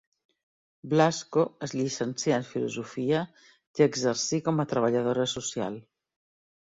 Blasco es llicencià en filosofia i exercí com a treballadora social.